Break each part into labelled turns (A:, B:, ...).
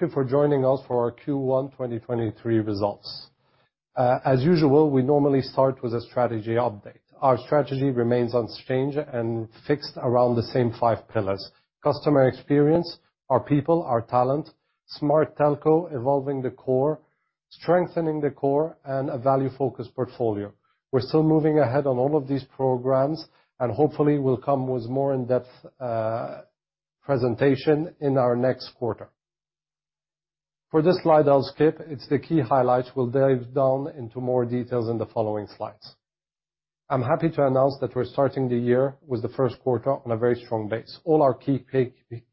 A: Thank you for joining us for our Q1 2023 results. As usual, we normally start with a strategy update. Our strategy remains unchanged and fixed around the same five pillars: customer experience, our people, our talent, smart telco, evolving the core, strengthening the core, and a value-focused portfolio. We're still moving ahead on all of these programs, hopefully we'll come with more in-depth presentation in our next quarter. For this slide, I'll skip. It's the key highlights. We'll dive down into more details in the following slides. I'm happy to announce that we're starting the year with the first quarter on a very strong base. All our key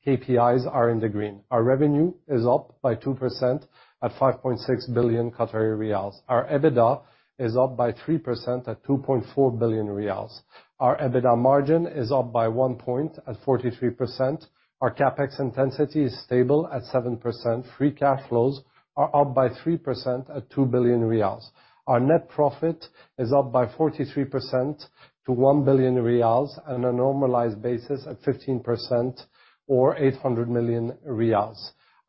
A: KPIs are in the green. Our revenue is up by 2% at 5.6 billion Qatari riyals. Our EBITDA is up by 3% at 2.4 billion riyals. Our EBITDA margin is up by one point at 43%. Our CapEx intensity is stable at 7%. Free cash flows are up by 3% at 2 billion riyals. Our net profit is up by 43% to 1 billion riyals and a normalized basis at 15% or 800 million riyals.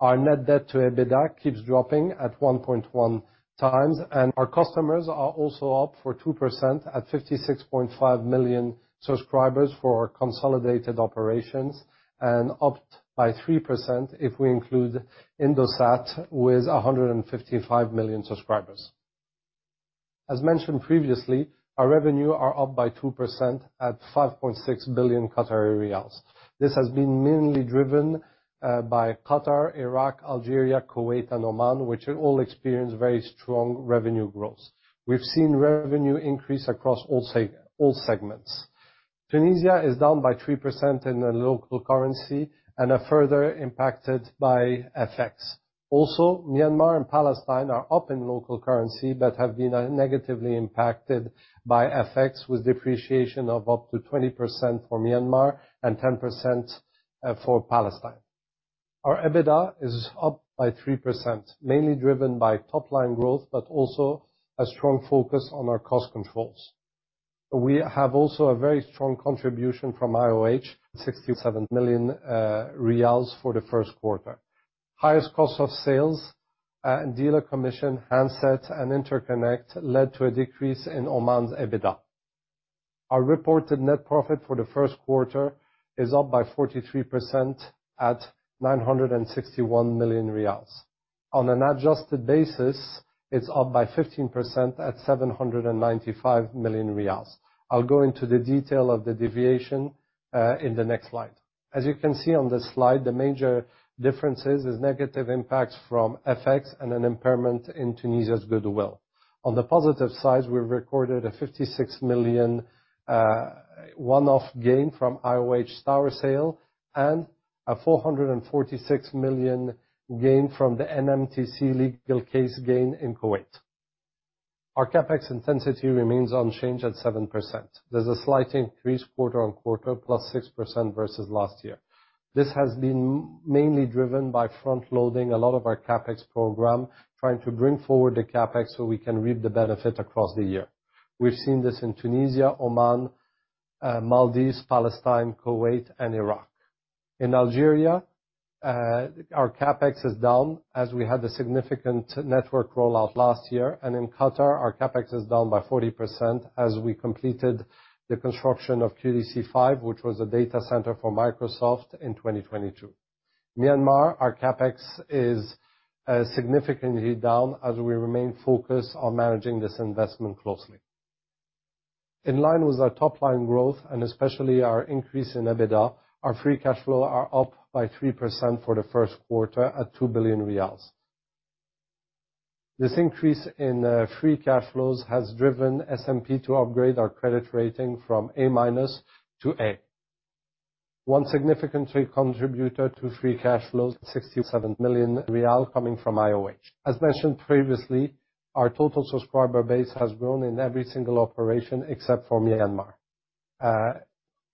A: Our net debt to EBITDA keeps dropping at 1.1 times, and our customers are also up for 2% at 56.5 million subscribers for our consolidated operations, and up by 3% if we include Indosat with 155 million subscribers. As mentioned previously, our revenue are up by 2% at 5.6 billion Qatari riyals. This has been mainly driven by Qatar, Iraq, Algeria, Kuwait, and Oman, which have all experienced very strong revenue growth. We've seen revenue increase across all segments. Tunisia is down by 3% in the local currency and are further impacted by FX. Myanmar and Palestine are up in local currency but have been negatively impacted by FX, with depreciation of up to 20% for Myanmar and 10% for Palestine. Our EBITDA is up by 3%, mainly driven by top-line growth, but also a strong focus on our cost controls. We have also a very strong contribution from IOH, 67 million riyals for the first quarter. Highest cost of sales and dealer commission, handsets, and interconnect led to a decrease in Oman's EBITDA. Our reported net profit for the first quarter is up by 43% at 961 million riyals. On an adjusted basis, it's up by 15% at 795 million riyals. I'll go into the detail of the deviation in the next slide. As you can see on this slide, the major differences is negative impacts from FX and an impairment in Tunisia's goodwill. On the positive side, we've recorded a 56 million one-off gain from IOH tower sale and a 446 million gain from the NMTC legal case gain in Kuwait. Our CapEx intensity remains unchanged at 7%. There's a slight increase quarter-on-quarter, +6% versus last year. This has been mainly driven by front-loading a lot of our CapEx program, trying to bring forward the CapEx so we can reap the benefit across the year. We've seen this in Tunisia, Oman, Maldives, Palestine, Kuwait, and Iraq. In Algeria, our CapEx is down, as we had a significant network rollout last year. In Qatar, our CapEx is down by 40% as we completed the construction of QDC5, which was a data center for Microsoft in 2022. Myanmar, our CapEx is significantly down as we remain focused on managing this investment closely. In line with our top-line growth, and especially our increase in EBITDA, our free cash flow are up by 3% for the first quarter at 2 billion riyals. This increase in free cash flows has driven S&P to upgrade our credit rating from A- to A. One significant contributor to free cash flows, QAR 67 million coming from IOH. As mentioned previously, our total subscriber base has grown in every single operation except for Myanmar.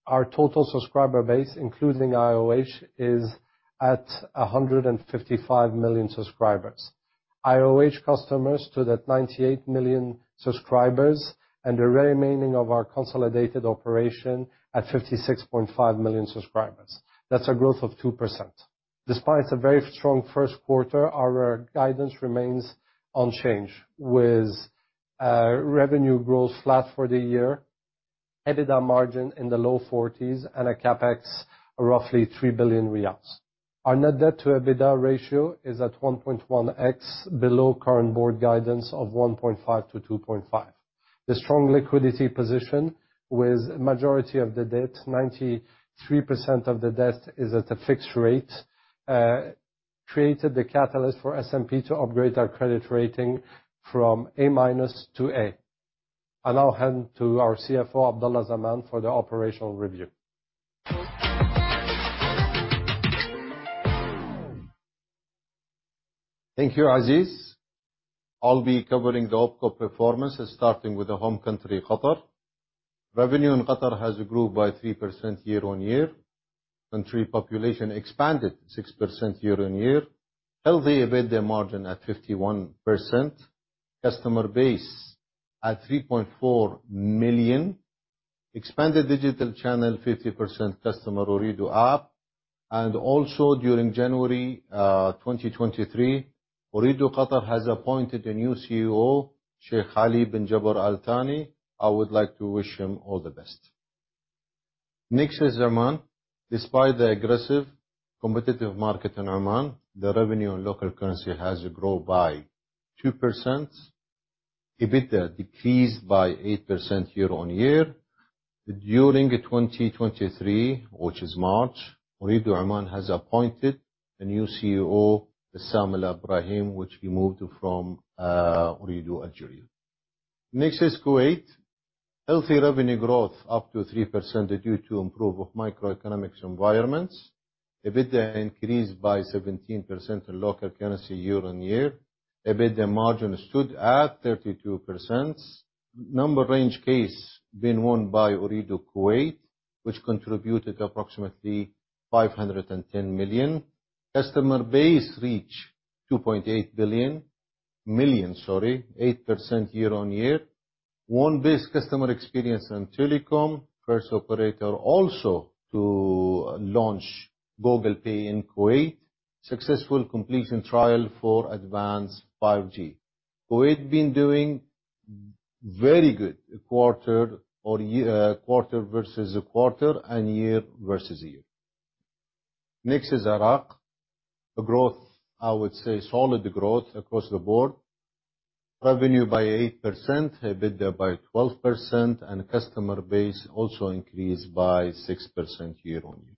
A: Our total subscriber base, including IOH, is at 155 million subscribers. IOH customers stood at 98 million subscribers, and the remaining of our consolidated operation at 56.5 million subscribers. That's a growth of 2%. Despite a very strong first quarter, our guidance remains unchanged, with revenue growth flat for the year, EBITDA margin in the low forties, and a CapEx of roughly 3 billion riyals. Our net debt to EBITDA ratio is at 1.1x, below current board guidance of 1.5-2.5. The strong liquidity position with majority of the debt, 93% of the debt is at a fixed rate, created the catalyst for S&P to upgrade our credit rating from A- to A. I now hand to our CFO, Abdulla Al Zaman, for the operational review.
B: Thank you, Aziz. I'll be covering the OpCo performance, starting with the home country, Qatar. Revenue in Qatar has grew by 3% year-on-year. Country population expanded 6% year-on-year. Healthy EBITDA margin at 51%. Customer base at 3.4 million. Expanded digital channel 50% customer Ooredoo app. Also during January 2023, Ooredoo Qatar has appointed a new CEO, Sheikh Ali bin Jabor Al Thani. I would like to wish him all the best. Oman. Despite the aggressive competitive market in Oman, the revenue in local currency has grown by 2%. EBITDA decreased by 8% year-on-year. During 2023, which is March, Ooredoo Oman has appointed a new CEO, Bassam Al Ibrahim, which he moved from Ooredoo Algeria. Kuwait. Healthy revenue growth up to 3% due to improve of microeconomics environments. EBITDA increased by 17% in local currency year-on-year. EBITDA margin stood at 32%. Number range case been won by Ooredoo Kuwait, which contributed approximately 510 million. Customer base reach 2.8 million, 8% year-on-year. Won Best Customer Experience in Telecom. First operator also to launch Google Pay in Kuwait. Successful completion trial for advanced 5G. Kuwait been doing very good quarter or year, quarter-versus-quarter and year-versus-year. Next is Iraq. A growth, I would say, solid growth across the board. Revenue by 8%, EBITDA by 12%, and customer base also increased by 6% year-on-year.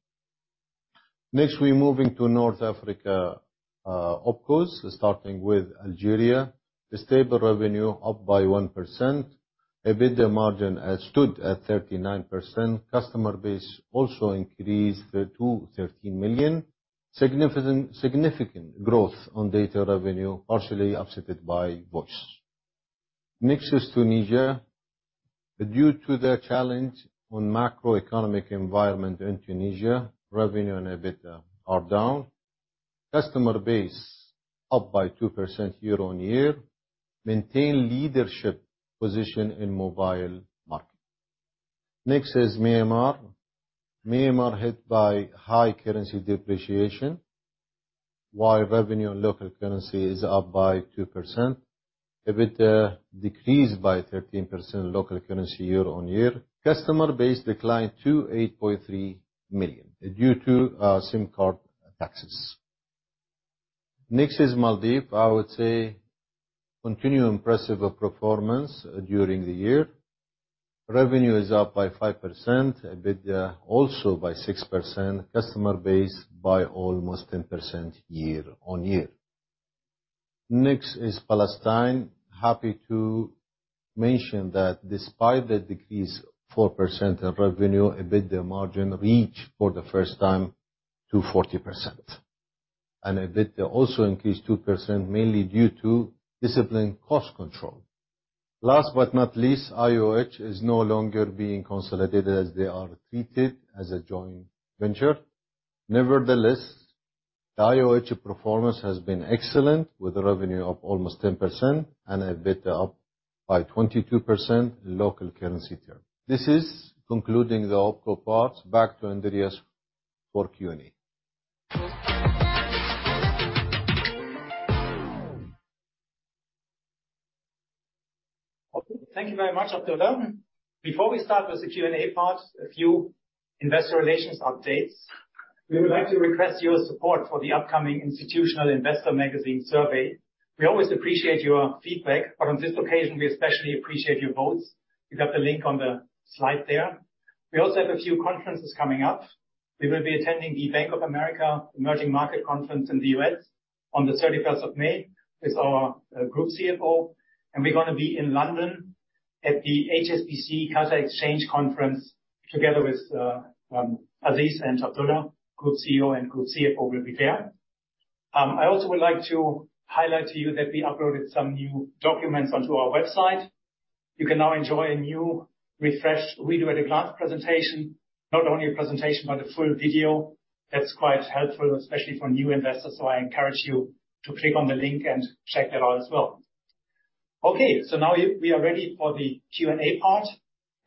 B: Next, we're moving to North Africa, OpCos, starting with Algeria. The stable revenue up by 1%. EBITDA margin has stood at 39%. Customer base also increased to 13 million. Significant, significant growth on data revenue, partially offset by voice. Tunisia. Due to the challenge on macroeconomic environment in Tunisia, revenue and EBITDA are down. Customer base up by 2% year-on-year. Maintain leadership position in mobile market. Myanmar. Myanmar hit by high currency depreciation, while revenue in local currency is up by 2%. EBITDA decreased by 13% local currency year-on-year. Customer base declined to 8.3 million due to SIM card taxes. Maldives. I would say continue impressive performance during the year. Revenue is up by 5%, EBITDA also by 6%, customer base by almost 10% year-on-year. Palestine. Happy to mention that despite the decrease of 4% of revenue, EBITDA margin reached for the first time to 40%. EBITDA also increased 2% mainly due to disciplined cost control. Last but not least, IOH is no longer being consolidated as they are treated as a joint venture. Nevertheless, the IOH performance has been excellent, with revenue up almost 10% and EBITDA up by 22% in local currency term. This is concluding the OpCo parts. Back to Andreas for Q&A.
C: Okay. Thank you very much, Abdullah. Before we start with the Q&A part, a few investor relations updates. We would like to request your support for the upcoming Institutional Investor magazine survey. We always appreciate your feedback. On this occasion, we especially appreciate your votes. You got the link on the slide there. We also have a few conferences coming up. We will be attending the Bank of America Emerging Markets conference in the U.S. on the 31st of May with our Group CFO. We are going to be in London at the HSBC Qatar Exchange Conference together with Aziz and Tarek. Group CEO and Group CFO will be there. I also would like to highlight to you that we uploaded some new documents onto our website. You can now enjoy a new refreshed Ooredoo at a glance presentation. Not only a presentation, but a full video. That's quite helpful, especially for new investors. I encourage you to click on the link and check that out as well. Now we are ready for the Q&A part.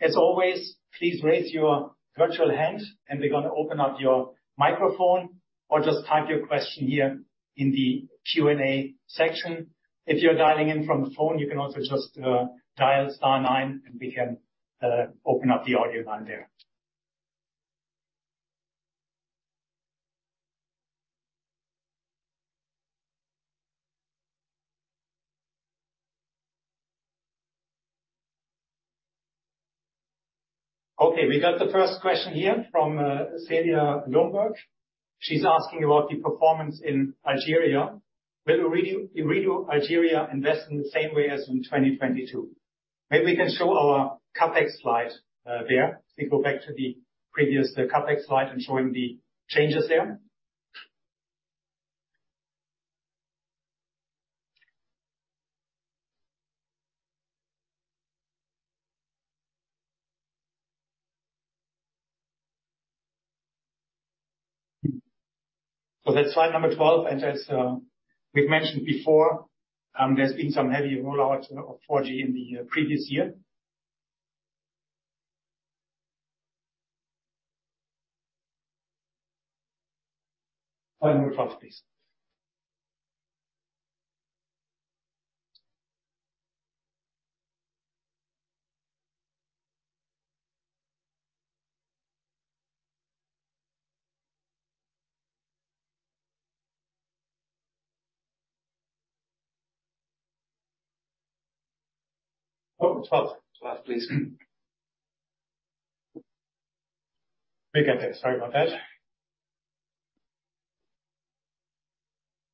C: As always, please raise your virtual hand, and we're gonna open up your microphone, or just type your question here in the Q&A section. If you're dialing in from the phone, you can also just dial star nine, and we can open up the audio line there. We got the first question here from Cecilia Lundberg. She's asking about the performance in Algeria. Will Ooredoo Algeria invest in the same way as in 2022? Maybe we can show our CapEx slide there. If we go back to the previous CapEx slide and showing the changes there. That's slide number 12, and as we've mentioned before, there's been some heavy rollout of 4G in the previous year. Slide number 12, please. Oh, 12. 12 please. We get this. Sorry about that.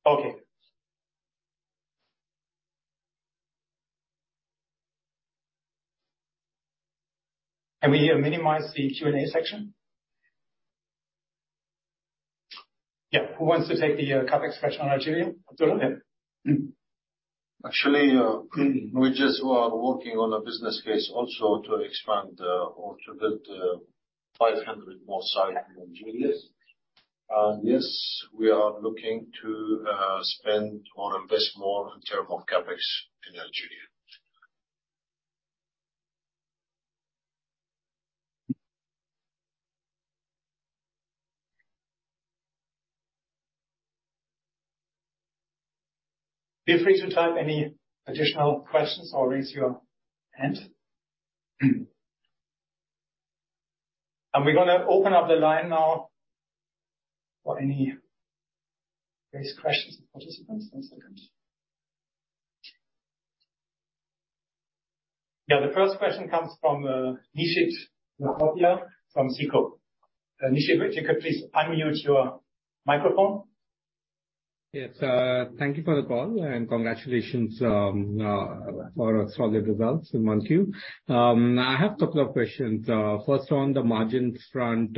C: Okay. Can we minimize the Q&A section? Yeah. Who wants to take the CapEx question on Algeria? Abdullah?
B: Actually, we just are working on a business case also to expand, or to build, 500 more sites.
C: Yes.
B: Yes, we are looking to spend or invest more in term of CapEx in Algeria.
C: Feel free to type any additional questions or raise your hand. We're gonna open up the line now for any raised questions from participants and stakeholders. The first question comes from Nishit Lakhotia from SICO. Nishit, if you could please unmute your microphone.
D: Yes. Thank you for the call, congratulations for the solid results in 1Q. I have couple of questions. First on the margins front,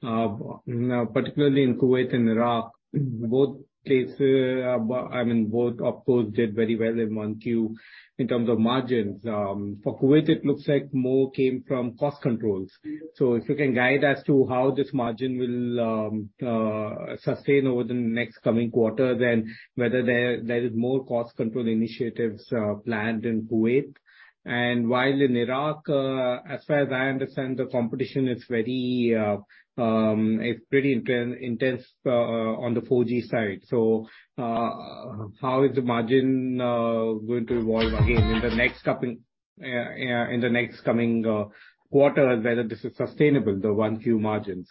D: particularly in Kuwait and Iraq, I mean, both of those did very well in 1Q in terms of margins. For Kuwait, it looks like more came from cost controls. If you can guide us to how this margin will sustain over the next coming quarter, whether there is more cost control initiatives planned in Kuwait. While in Iraq, as far as I understand, the competition is very intense on the 4G side. How is the margin going to evolve again in the next coming... in the next coming quarter, and whether this is sustainable, the 1Q margins.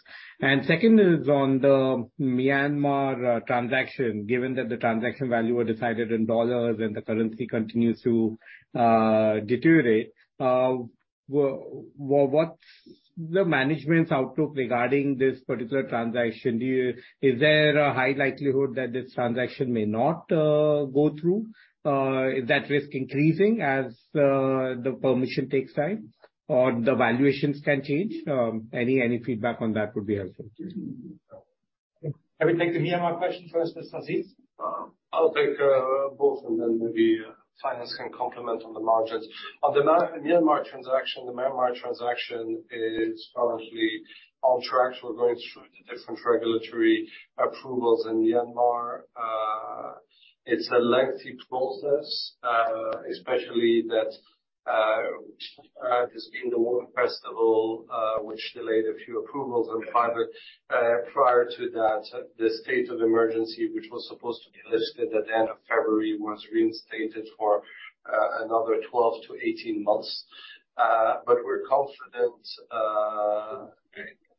D: Second is on the Myanmar transaction. Given that the transaction value were decided in USD and the currency continues to deteriorate, what's the management's outlook regarding this particular transaction? Is there a high likelihood that this transaction may not go through? Is that risk increasing as the permission takes time or the valuations can change? Any feedback on that would be helpful.
C: Can we take the Myanmar question first, Mr. Aziz?
A: I'll take both and then maybe finance can complement on the margins. On the Myanmar transaction, the Myanmar transaction is currently on track. We're going through the different regulatory approvals in Myanmar. It's a lengthy process, especially that there's been the Water Festival, which delayed a few approvals. Further, prior to that, the state of emergency, which was supposed to be lifted at the end of February, was reinstated for another 12 to 18 months. We're confident,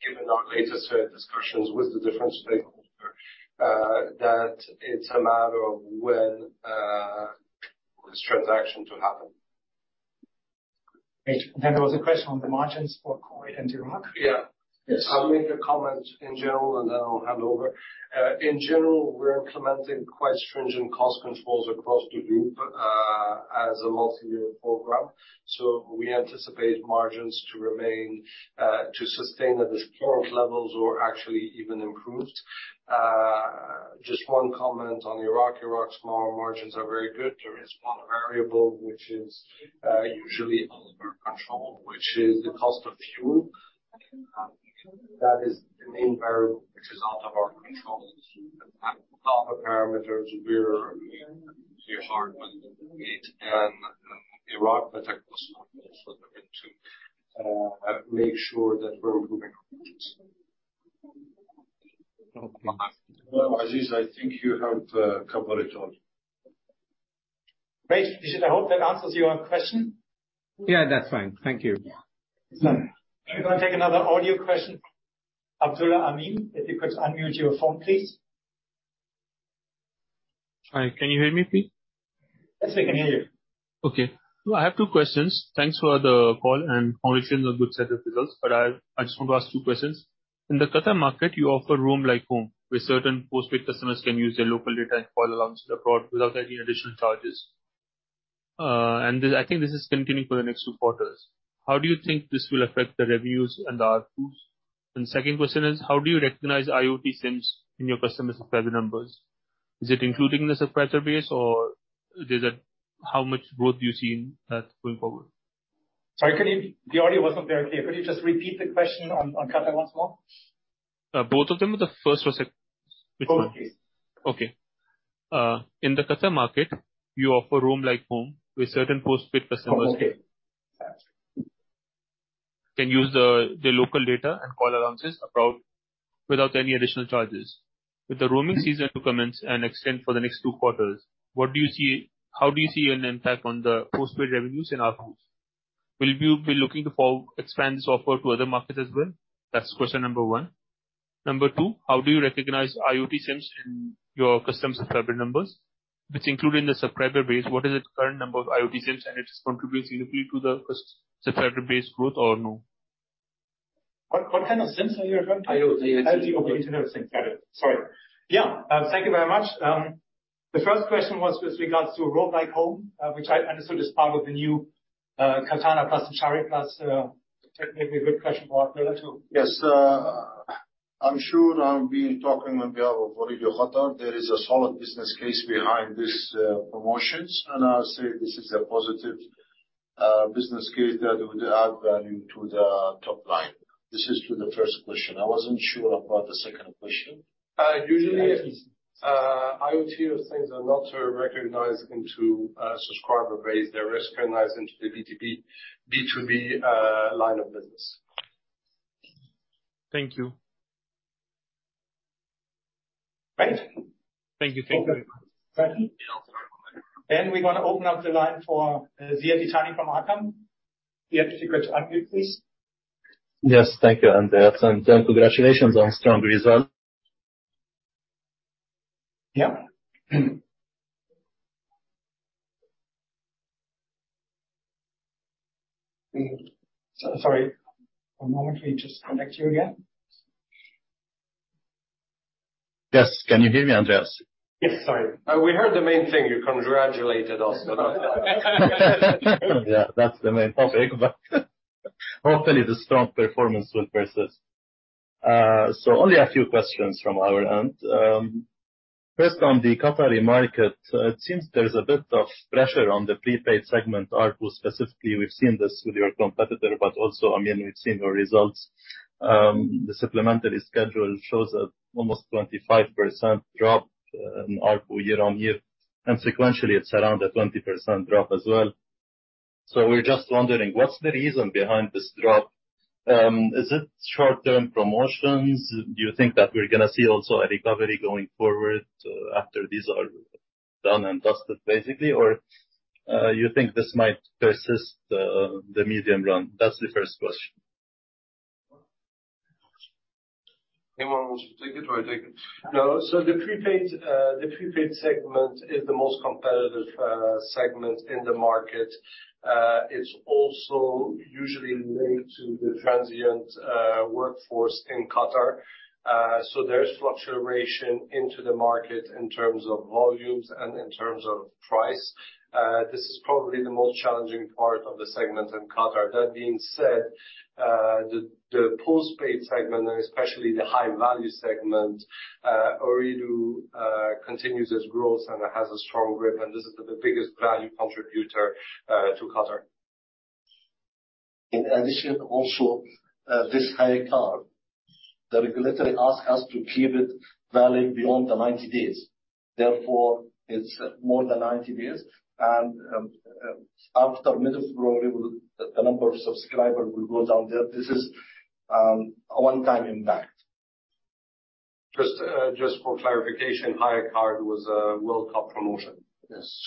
A: given our latest discussions with the different stakeholders, that it's a matter of when this transaction to happen.
C: Great. Then there was a question on the margins for Kuwait and Iraq. Yeah.
A: Yes. I'll make a comment in general, then I'll hand over. In general, we're implementing quite stringent cost controls across the group as a multi-year program. We anticipate margins to remain to sustain at the current levels or actually even improved. Just one comment on Iraq. Iraq's margins are very good. There is one variable which is usually out of our control, which is the cost of fuel. That is the main variable which is out of our control. The other parameters we are working on it. Iraq, I think also looking to make sure that we're improving on this.
C: Okay. Well, Aziz, I think you have covered it all.
A: Great. Nishit, I hope that answers your question.
D: Yeah, that's fine. Thank you.
C: Yeah. We're gonna take another audio question. Abdullah Amin, if you could unmute your phone, please.
E: Hi. Can you hear me, please?
C: Yes, we can hear you.
E: Okay. I have two questions. Thanks for the call, congratulations on good set of results, I just want to ask two questions. In the Qatar market, you offer Roam Like Home, where certain postpaid customers can use their local data and call allowance abroad without any additional charges. I think this is continuing for the next two quarters. How do you think this will affect the revenues and the ARPUs? Second question is, how do you recognize IoT SIMs in your customer subscriber numbers? Is it including the subscriber base, or is it how much growth do you see in that going forward?
C: Sorry, the audio wasn't very clear. Could you just repeat the question on Qatar once more?
E: Both of them or the first was it?
C: Both, please.
E: Okay. In the Qatar market, you offer Roam Like Home with certain postpaid customers.
C: Okay. Got you.
E: Can use the local data and call around this abroad without any additional charges. With the roaming season to commence and extend for the next two quarters, how do you see an impact on the postpaid revenues in ARPU? Will you be looking to for-expand this offer to other markets as well? That's question number one. Number two, how do you recognize IoT SIMs in your custom subscriber numbers? Which include in the subscriber base, what is its current number of IoT SIMs, and it's contributing significantly to the subscriber base growth or no?
C: What kind of SIMs are you referring to?
E: IoT. IoT. Internet of things. Got it. Sorry. Yeah. Thank you very much. The first question was with regards to Roam Like Home, which I understood is part of the new Qatarna+ and Shahry+, technically a good question for Abdul to...
B: Yes, I'm sure now we've been talking on behalf of Ooredoo Qatar there is a solid business case behind these promotions, and I would say this is a positive business case that would add value to the top line. This is to the first question. I wasn't sure about the second question.
A: Usually, IoT things are not recognized into a subscriber base. They're recognized into the B2B line of business.
E: Thank you.
A: Great.
E: Thank you. Thank you very much.
C: We're gonna open up the line for Ziad Itani from Aqraam. Ziad, if you could unmute, please.
F: Yes. Thank you, Andreas, and congratulations on strong result.
C: Yeah. Sorry. One moment. Let me just connect you again.
F: Yes. Can you hear me, Andreas?
A: Sorry. We heard the main thing. You congratulated us.
F: Yeah. Hopefully the strong performance will persist. Only a few questions from our end. First, on the Qatari market, it seems there's a bit of pressure on the prepaid segment, ARPU specifically. We've seen this with your competitor, also, I mean, we've seen your results. The supplementary schedule shows a almost 25% drop in ARPU year-on-year, sequentially, it's around a 20% drop as well. We're just wondering, what's the reason behind this drop? Is it short-term promotions? Do you think that we're gonna see also a recovery going forward, after these are done and dusted, basically? You think this might persist, the medium run? That's the first question.
A: Anyone wants to take it or I take it? No. The prepaid, the prepaid segment is the most competitive segment in the market. It's also usually linked to the transient workforce in Qatar. There's fluctuation into the market in terms of volumes and in terms of price. This is probably the most challenging part of the segment in Qatar. That being said, the postpaid segment, and especially the high-value segment, Ooredoo continues its growth and has a strong grip, and this is the biggest value contributor to Qatar.
G: In addition, also, this Hayya Card, the regulatory ask us to keep it valid beyond the 90 days. Therefore, it's more than 90 days. After mid of grow, the number of subscribers will go down there. This is a one-time impact. Just for clarification, Hayya Card was a World Cup promotion. Yes.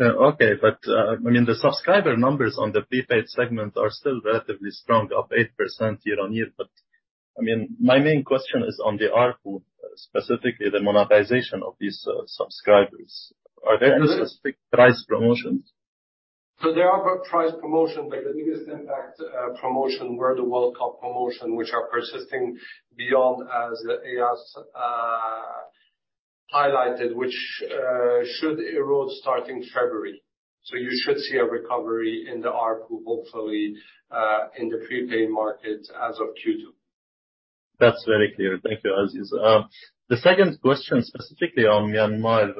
F: Okay. I mean, the subscriber numbers on the prepaid segment are still relatively strong, up 8% year-on-year. I mean, my main question is on the ARPU, specifically the monetization of these subscribers. Are there specific price promotions?
A: There are price promotions, but the biggest impact, promotion were the World Cup promotion, which are persisting beyond, as Eyas, highlighted, which, should erode starting February. You should see a recovery in the ARPU, hopefully, in the prepaid market as of Q2.
F: That's very clear. Thank you, Aziz. The second question, specifically on Myanmar,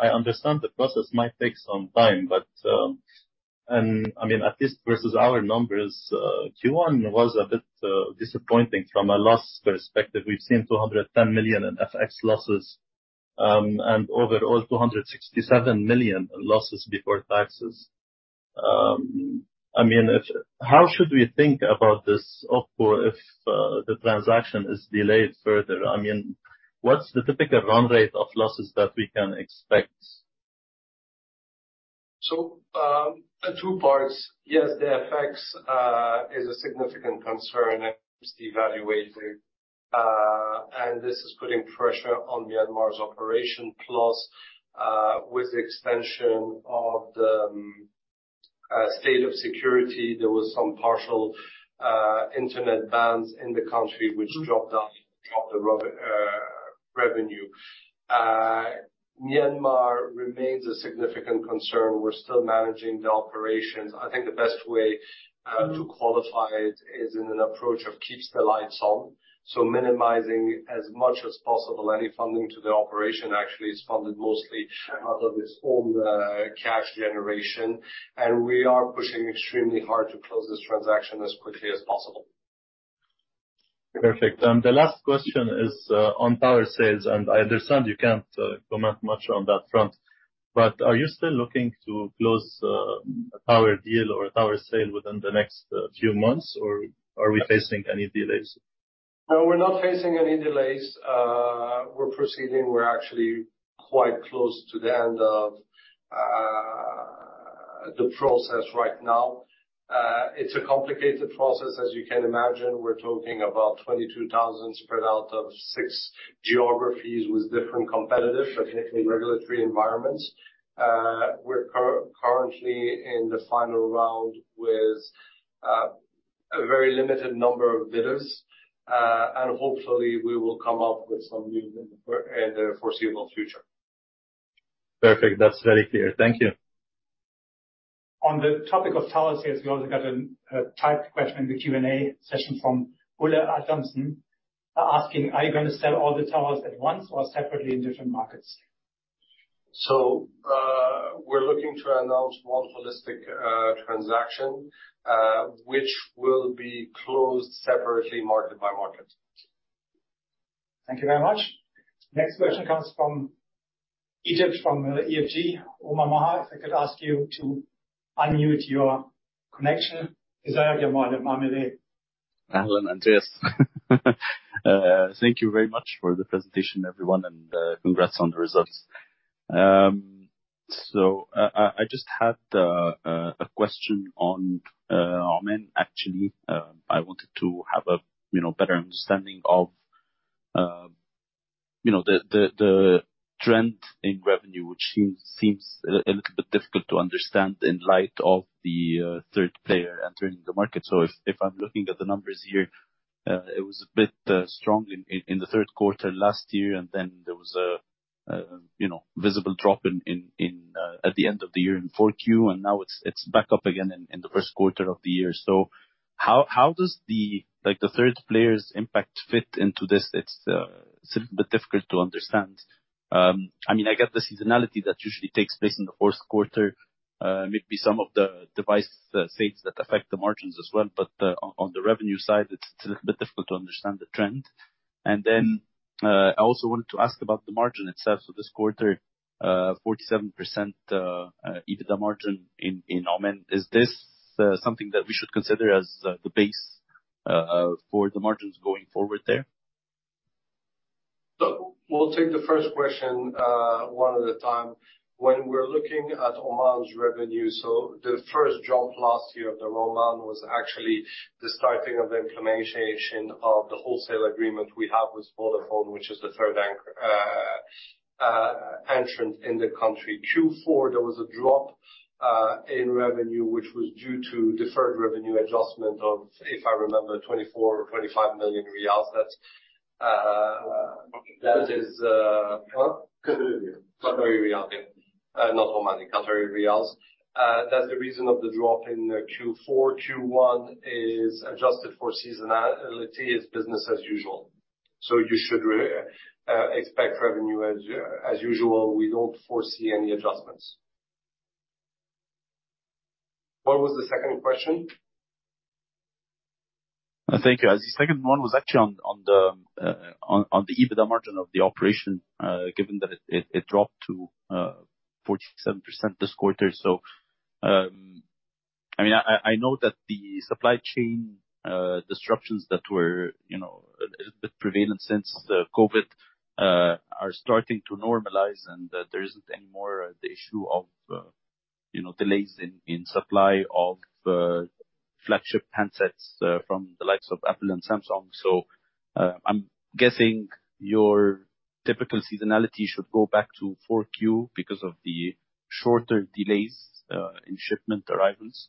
F: I understand the process might take some time, but, at least versus our numbers, Q1 was disappointing from a loss perspective. We've seen 210 million in FX losses, and overall 267 million in losses before taxes. How should we think about this OpCo if the transaction is delayed further? What's the typical run rate of losses that we can expect?
A: Two parts. Yes, the FX is a significant concern as devalued. This is putting pressure on Myanmar's operation. With the extension of the state of emergency, there was some partial internet bans in the country which dropped the revenue. Myanmar remains a significant concern. We're still managing the operations. I think the best way to qualify it is in an approach of keeps the lights on, minimizing as much as possible. Any funding to the operation actually is funded mostly out of its own cash generation. We are pushing extremely hard to close this transaction as quickly as possible.
F: Perfect. The last question is on power sales, and I understand you can't comment much on that front, but are you still looking to close a power deal or a power sale within the next few months, or are we facing any delays?
A: No, we're not facing any delays. We're proceeding. We're actually quite close to the end of the process right now. It's a complicated process, as you can imagine. We're talking about 22,000 spread out of six geographies with different competitive, but mainly regulatory environments. We're currently in the final round with a very limited number of bidders. Hopefully we will come up with something in the foreseeable future.
F: Perfect. That's very clear. Thank you.
C: On the topic of tower sales, we also got a typed question in the Q&A session from Ola El-Adamson, asking, "Are you gonna sell all the towers at once or separately in different markets?
A: We're looking to announce one holistic transaction, which will be closed separately market by market.
C: Thank you very much. Next question comes from Egypt, from EFG, Omar Maher. If I could ask you to unmute your connection.
H: Hello, Andreas. Thank you very much for the presentation, everyone, and congrats on the results. I just had a question on Oman, actually. I wanted to have a, you know, better understanding of, you know, the trend in revenue, which seems a little bit difficult to understand in light of the third player entering the market. If I'm looking at the numbers here, it was a bit strong in the third quarter last year, and then there was a, you know, visible drop at the end of the year in 4Q. Now it's back up again in the first quarter of the year. How does the like, the third player's impact fit into this? It's a little bit difficult to understand. I mean, I get the seasonality that usually takes place in the fourth quarter. Maybe some of the device sales that affect the margins as well. On the revenue side, it's a little bit difficult to understand the trend. I also wanted to ask about the margin itself. This quarter, 47% EBITDA margin in Oman. Is this something that we should consider as the base for the margins going forward there?
B: We'll take the first question, one at a time. When we're looking at Oman's revenue, the first drop last year of Oman was actually the starting of the implementation of the wholesale agreement we have with Vodafone, which is the third anchor entrant in the country. Q4 there was a drop in revenue, which was due to deferred revenue adjustment of, if I remember, 24 or 25 million riyals.
H: That is,... Huh?
A: Qatari rial.
H: Qatari rial. Yeah.
B: Not Omani, QAR. That's the reason of the drop in Q4. Q1 is adjusted for seasonality. It's business as usual. You should expect revenue as usual. We don't foresee any adjustments. What was the second question?
H: Thank you. The second one was actually on the EBITDA margin of the operation, given that it dropped to 47% this quarter. I mean, I know that the supply chain disruptions that were, you know, a little bit prevalent since COVID, are starting to normalize and that there isn't any more the issue of, you know, delays in supply of flagship handsets from the likes of Apple and Samsung. I'm guessing your typical seasonality should go back to 4Q because of the shorter delays in shipment arrivals.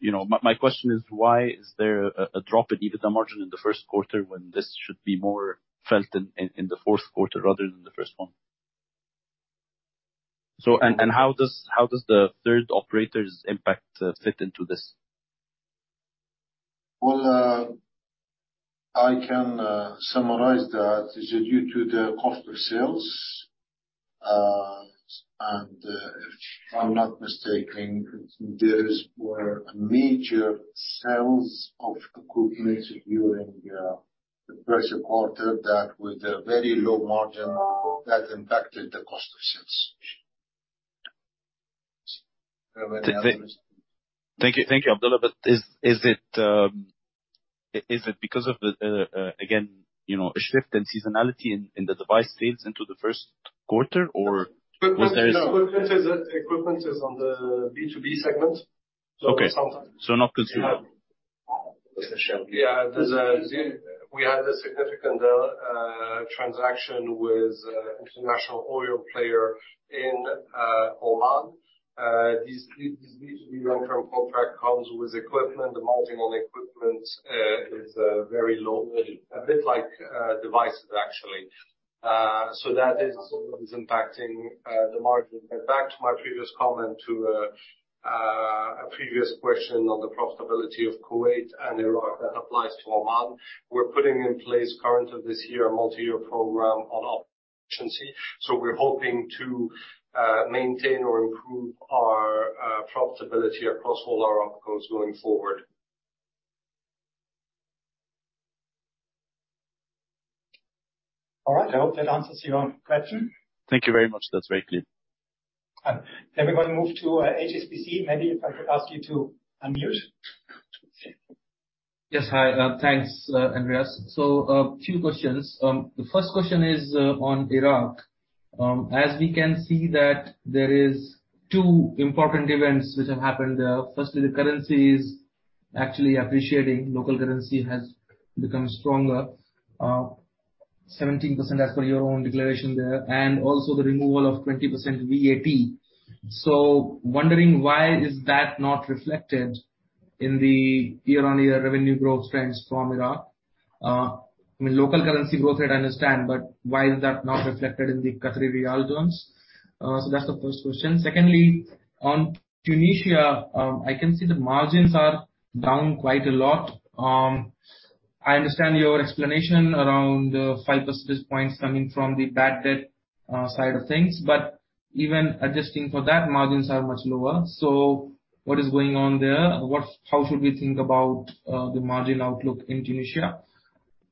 H: You know, my question is why is there a drop in EBITDA margin in the first quarter when this should be more felt in the fourth quarter rather than the first one? How does the third operator's impact fit into this?
B: Well, I can summarize that. It's due to the cost of sales. If I'm not mistaken, there were a major sales of equipment during the first quarter that with a very low margin that impacted the cost of sales.
H: Thank you. Thank you, Abdulla. Is it because of the again, you know, a shift in seasonality in the device sales into the first quarter, or was there?
A: Equipment is on the B2B segment.
H: Okay. Not consumer.
A: We had a significant transaction with international oil player in Oman. This long-term contract comes with equipment. The margin on equipment is very low, a bit like devices actually. That is impacting the margin. Back to my previous comment to a previous question on the profitability of Kuwait and Iraq, that applies to Oman. We're putting in place currently this year a multi-year program on op efficiency, so we're hoping to maintain or improve our profitability across all our OpCos going forward.
C: All right. I hope that answers your question.
H: Thank you very much. That's very clear.
C: We're gonna move to HSBC. Maybe if I could ask you to unmute.
I: Yes. Hi. Thanks, Andreas. Two questions. The first question is on Iraq. As we can see that there is two important events which have happened there. Firstly, the currency is actually appreciating. Local currency has become stronger, 17% as per your own declaration there, and also the removal of 20% VAT. Wondering why is that not reflected in the year-on-year revenue growth trends from Iraq? I mean, local currency growth I'd understand, but why is that not reflected in the Qatari riyal terms? That's the first question. Secondly, on Tunisia, I can see the margins are down quite a lot. I understand your explanation around the 5 percentage points coming from the bad debt side of things, but even adjusting for that, margins are much lower. What is going on there? What... How should we think about the margin outlook in Tunisia?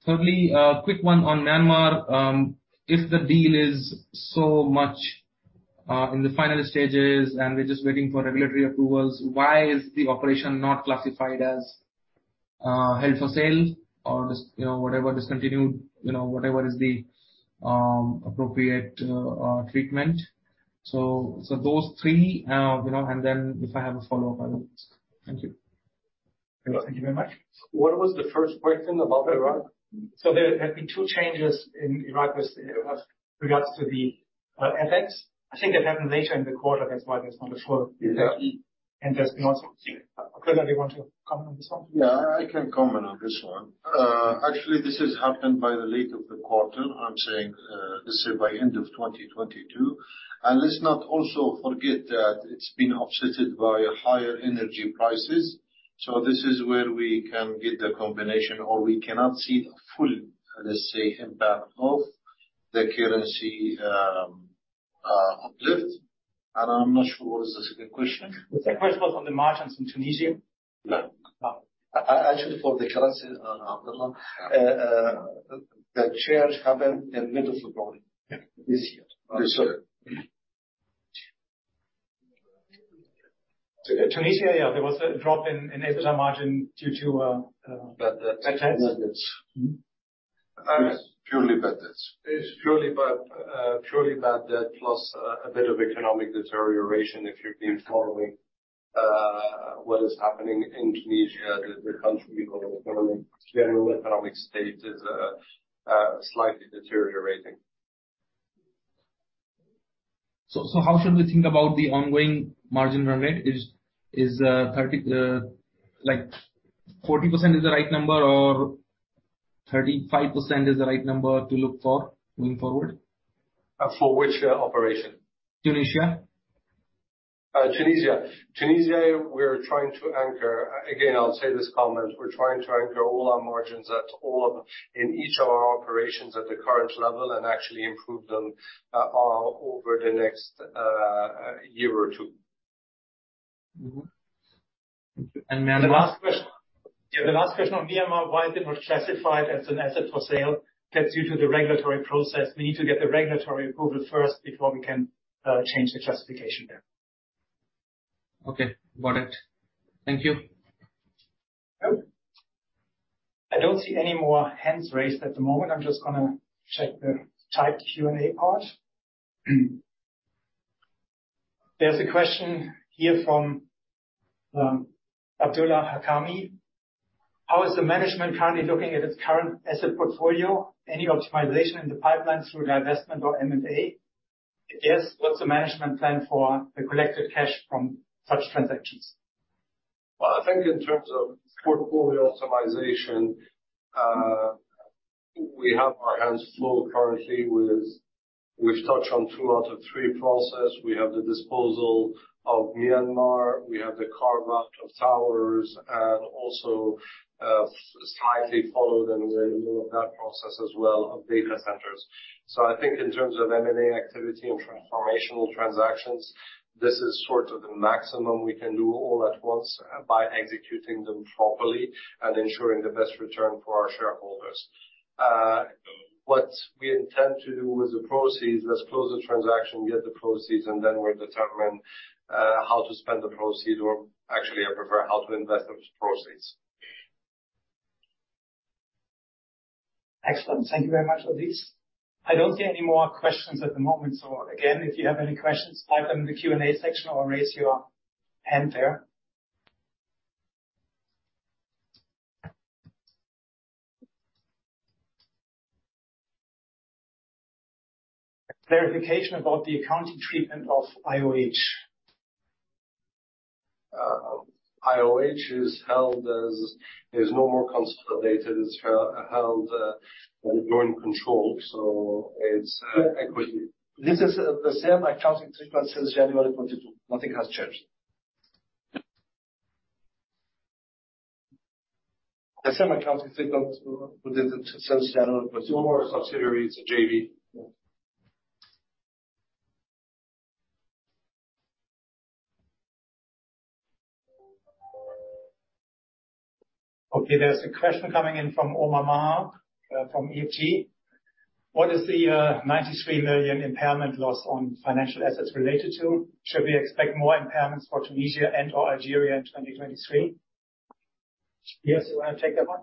I: Thirdly, a quick one on Myanmar. If the deal is so much in the final stages and we're just waiting for regulatory approvals, why is the operation not classified as held for sale or you know, whatever, discontinued, you know, whatever is the appropriate treatment? Those three, you know, and then if I have a follow-up, I will. Thank you.
C: Thank you very much.
A: What was the first question about Iraq?
I: There have been two changes in Iraq with regards to the effects. I think it happened later in the quarter, that's why I was not sure.
C: Exactly. Do you want to comment on this one?
B: Yeah, I can comment on this one. Actually this has happened by the late of the quarter. I'm saying, this is by end of 2022. Let's not also forget that it's been offsetted by higher energy prices. This is where we can get the combination or we cannot see the full, let's say, impact of the currency uplift. I'm not sure what was the second question. The second question was on the margins in Tunisia. Yeah.
C: Oh. actually for the currency, the change happened in middle of the quarter. Yeah. This year. Sorry. Tunisia, there was a drop in EBITDA margin due to.
A: Bad debts.
I: bad debts. Mm-hmm.
A: Purely bad debts. It's purely bad, purely bad debt, plus a bit of economic deterioration. If you've been following, what is happening in Tunisia, the country or the government, general economic state is slightly deteriorating.
I: How should we think about the ongoing margin run rate? Is like 40% is the right number or 35% is the right number to look for moving forward?
A: For which operation?
I: Tunisia.
A: Tunisia. Tunisia, we're trying to anchor. Again, I'll say this comment. We're trying to anchor all our margins in each of our operations at the current level and actually improve them over the next year or two.
I: Mm-hmm. Thank you. Myanmar.
C: The last question. Yeah, the last question on Myanmar, why is it not classified as an asset for sale? That's due to the regulatory process. We need to get the regulatory approval first before we can change the classification there.
I: Okay, got it. Thank you.
C: Yep. I don't see any more hands raised at the moment. I'm just gonna check the typed Q&A part. There's a question here from Abdullah Hakami. How is the management currently looking at its current asset portfolio? Any optimization in the pipeline through divestment or M&A? If yes, what's the management plan for the collected cash from such transactions?
A: Well, I think in terms of portfolio optimization, we have our hands full currently with... We've touched on two out of three process. We have the disposal of Myanmar, we have the carve-out of towers, and also, slightly follow them in the middle of that process as well of data centers. I think in terms of M&A activity and transformational transactions, this is sort of the maximum we can do all at once by executing them properly and ensuring the best return for our shareholders. What we intend to do with the proceeds, let's close the transaction, get the proceeds, and then we determine, how to spend the proceed or actually I prefer how to invest the proceeds.
C: Excellent. Thank you very much, Aziz. I don't see any more questions at the moment. Again, if you have any questions, type them in the Q&A section or raise your hand there. Clarification about the accounting treatment of IOH.
A: IOH is no more consolidated. It's held, joint control, so it's equity. This is the same accounting treatment since January 2022. Nothing has changed. The same accounting treatment within since January 2022.
G: No more a subsidiary. It's a JV.
C: There's a question coming in from Omar Maher from EFG. What is the 93 million impairment loss on financial assets related to? Should we expect more impairments for Tunisia and/or Algeria in 2023? Pierre, do you want to take that one?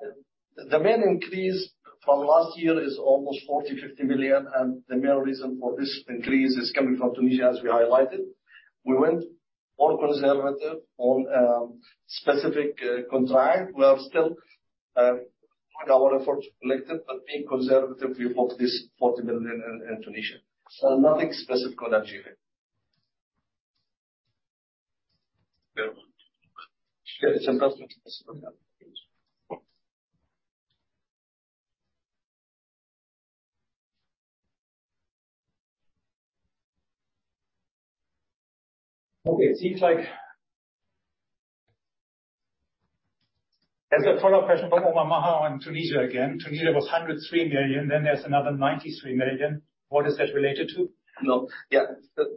B: The main increase from last year is almost 40 million-50 million. The main reason for this increase is coming from Tunisia, as we highlighted. We went more conservative on specific contract. We are still doing our efforts collected, but being conservative, we book this 40 million in Tunisia. Nothing specific on Algeria.
C: Okay. It seems like... There's a follow-up question from Omar Maher on Tunisia again. Tunisia was 103 million, then there's another 93 million. What is that related to?
G: No. Yeah.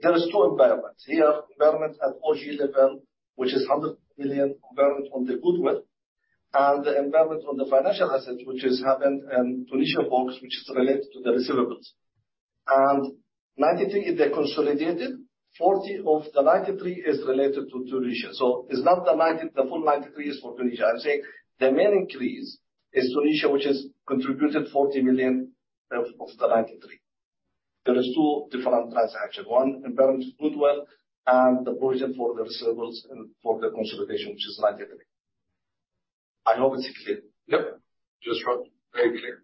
G: There is two impairments. We have impairment at group level, which is 100 million impairment on the goodwill, and the impairment on the financial assets, which has happened in Tunisia books, which is related to the receivables. Ninety-three, if they're consolidated, 40 of the 93 is related to Tunisia. It's not the full 93 is for Tunisia. I'm saying the main increase is Tunisia, which has contributed 40 million of the 93. There is two different transactions. One, impairment of goodwill, and the provision for the receivables and for the consolidation, which is QAR 93. I hope it's clear.
C: Yep.
H: Just right. Very clear.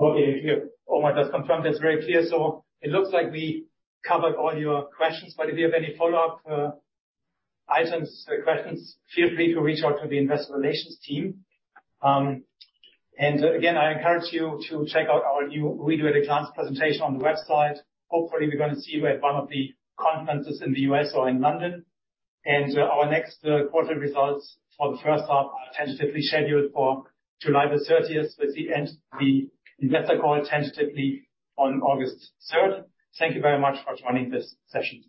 C: Okay. Omar just confirmed that's very clear. It looks like we covered all your questions, but if you have any follow-up, items or questions, feel free to reach out to the investor relations team. Again, I encourage you to check out our new Ooredoo advanced presentation on the website. Hopefully, we're gonna see you at one of the conferences in the U.S. or in London. Our next quarter results for the first half are tentatively scheduled for July the 30th, with the investor call tentatively on August 3rd. Thank you very much for joining this session.